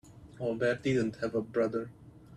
Albert didn't have a brother.